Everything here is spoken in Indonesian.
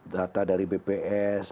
data dari bps